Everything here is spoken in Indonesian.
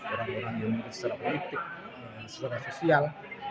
orang orang yang secara politik secara sosial